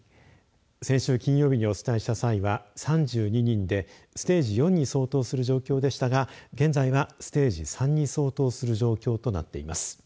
先週金曜日にお伝えした際は３２人でステージ４に相当する状況でしたが、現在はステージ３に相当する状況になっています。